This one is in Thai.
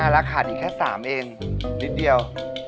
แล้วขาดอีกแค่๓เองนิดเดียว